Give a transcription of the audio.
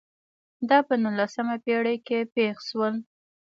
دا په نولسمه پېړۍ کې پېښ شول.